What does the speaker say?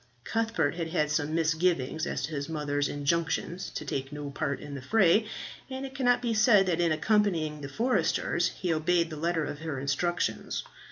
Cuthbert had had some misgivings as to his mother's injunctions to take no part in the fray, and it cannot be said that in accompanying the foresters he obeyed the letter of her instructions.